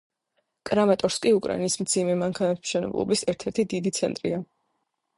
კრამატორსკი უკრაინის მძიმე მანქანათმშენებლობის ერთ-ერთი დიდი ცენტრია.